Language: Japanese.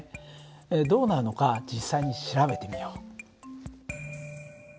どうなるのか実際に調べてみよう。